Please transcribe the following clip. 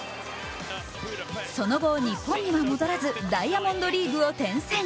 その後、日本には戻らずダイヤモンドリーグを転戦。